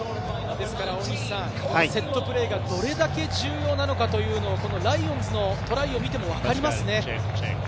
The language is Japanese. ですから、セットプレーがどれだけ重要なのかというのはライオンズのトライを見ても分かりますね。